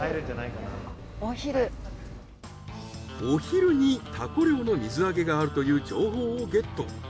お昼にタコ漁の水揚げがあるという情報をゲット。